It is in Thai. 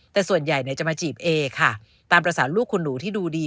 แต่ส่วนใหญ่จะมาจีบเอค่ะตามภาษาลูกคุณหนูที่ดูดี